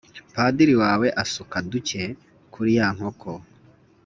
padiri wawe asuka duke kuri ya nkoko,